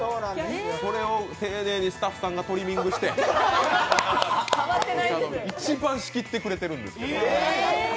それを丁寧にスタッフさんがトリミングして一番仕切ってくれてるんです。